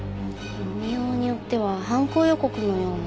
読みようによっては犯行予告のような。